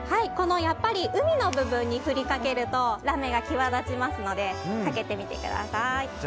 やっぱり海の部分に振りかけるとラメが際立ちますのでかけてみてください。